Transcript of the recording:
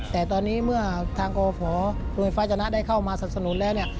แต่ตอนนี้เมื่อทางกรภโรงไฟฟ้าจรรย์นะได้เข้ามาสนับสนุนแล้ว